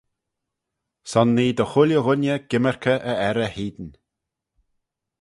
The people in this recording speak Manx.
Son nee dy chooilley ghooinney gymmyrkey e errey hene.